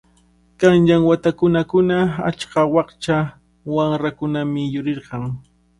Qanyan watakunakuna achka wakcha wamrakunami yurirqan.